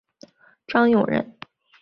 张永人。